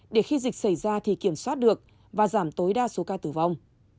để khi dịch xảy ra thì kiểm soát được và giảm tối đa số ca tử vong